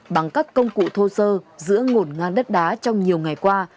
bằng các công cụ thô sơ giữa ngổn ngang đất đá trong nhiều ngày qua